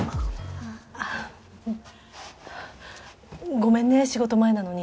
ごめんね仕事前なのに。